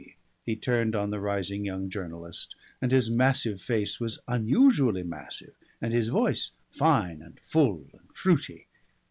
He turned on the rising young journalist, and his massive face was unusually massive and his voice fine and full and fruity.